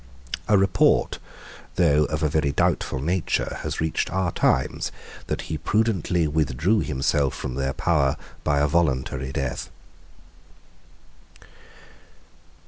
A report, though of a very doubtful nature, has reached our times, that he prudently withdrew himself from their power by a voluntary death.